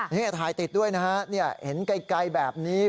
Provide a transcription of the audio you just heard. นี่ถ่ายติดด้วยนะฮะเห็นไกลแบบนี้